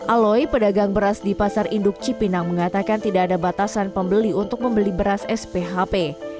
aloy pedagang beras di pasar induk cipinang mengatakan tidak ada batasan pembeli untuk membeli beras sphp